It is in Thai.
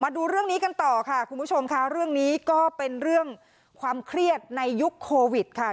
ดูเรื่องนี้กันต่อค่ะคุณผู้ชมค่ะเรื่องนี้ก็เป็นเรื่องความเครียดในยุคโควิดค่ะ